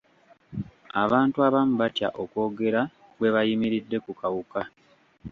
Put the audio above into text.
Abantu abamu batya okwogera bwe bayimiridde ku kawuka.